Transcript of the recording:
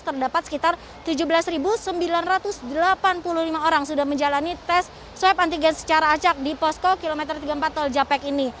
terdapat sekitar tujuh belas sembilan ratus delapan puluh lima orang sudah menjalani tes swab antigen secara acak di posko kilometer tiga puluh empat tol japek ini